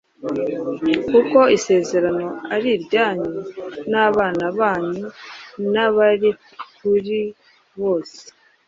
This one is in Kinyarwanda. kuko isezerano ari iryanyu n’abana banyu n’abari kuri bose,